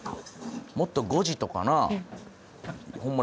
もっと５時とかなホンマ